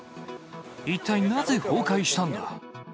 一体なぜ崩壊したんだ。